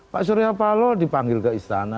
pak surya paloh dipanggil ke istana